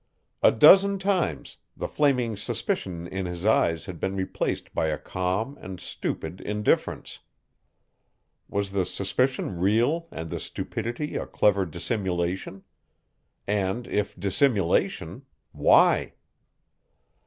A dozen times the flaming suspicion in his eyes had been replaced by a calm and stupid indifference. Was the suspicion real and the stupidity a clever dissimulation? And if dissimulation why?